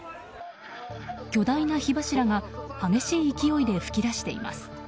巨大な火柱が激しい勢いで噴き出しています。